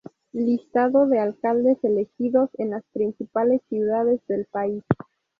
Listado de alcaldes elegidos en las principales ciudades del país.